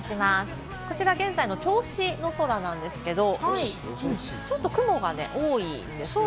こちら現在の銚子の空なんですけれども、ちょっと雲がね、多いんですよね。